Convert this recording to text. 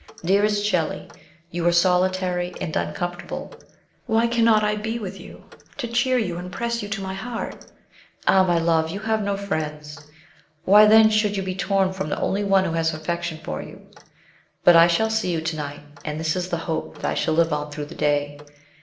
Dearest Shelley, you are solitary and uncom fortable. Why cannot I be with you, to cheer you and press you to my heart ? Ah ! my love, you have no friends. Why then should you be torn from the only one who has affection for you ? But I shall see you to night, and this is the hope that I shall live on through the day.